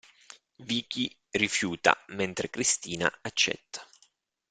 Vicky rifiuta, mentre Cristina accetta.